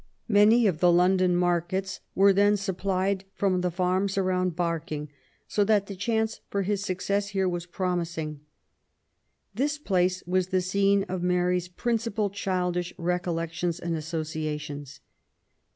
Many of the London markets were then supplied from the farms around Barking, so that the chance for his success here was promising. This place was the scene of Mary's principal childish recollections and associations.